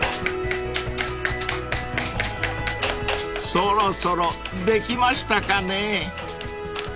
［そろそろできましたかね？］